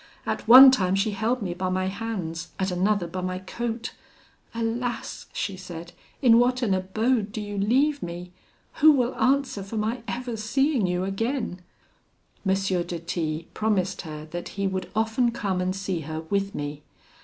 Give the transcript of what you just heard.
At one time she held me by my hands, at another by my coat. 'Alas!' she said, 'in what an abode do you leave me! Who will answer for my ever seeing you again?' M. de T promised her that he would often come and see her with me.